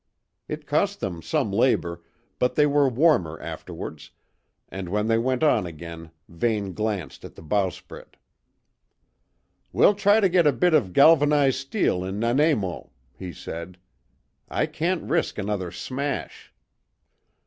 It cost them some labour, but they were warmer afterwards, and when they went on again Vane glanced at the bowsprit. "We'll try to get a bit of galvanised steel in Nanaimo," he said. "I can't risk another smash."